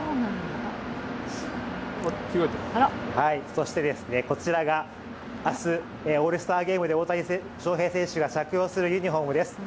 そして、こちらが明日オールスターゲームで大谷翔平選手が着用するユニフォームです。